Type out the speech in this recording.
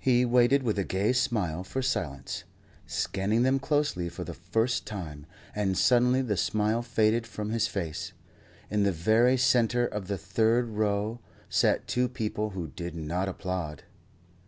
He waited with a gay smile for silence, scanning them closely for the first time; and suddenly the smile faded from his face. In the very centre of the third row sat two people who did not applaud.